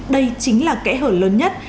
đây chính là kẻ hở lớn nhất